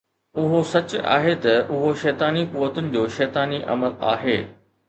اهو سچ آهي ته اهو شيطاني قوتن جو شيطاني عمل آهي